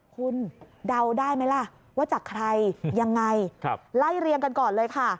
คุณเดาได้ไหมล่ะว่าจากใครยังไงไล่เรียงกันก่อนเลยค่ะ